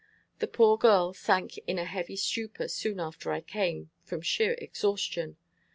The poor girl sank in a heavy stupor soon after I came, from sheer exhaustion.